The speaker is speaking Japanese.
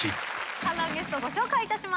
観覧ゲストご紹介いたします。